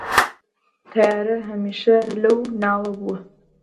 تەیارە هەمیشە لەو ناوە بوو